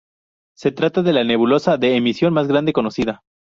Se trata de la nebulosa de emisión más grande conocida.